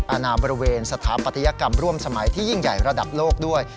อาณาบริเวณสถาปัตยกรรมร่วมสมัยที่ยิ่งใหญ่ระดับโลกด้วย